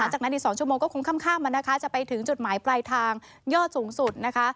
หลังจากนั้นอีกสองชั่วโมงก็คงข้ามข้ามมานะคะจะไปถึงจุดหมายปลายทางยอดสูงสุดนะคะ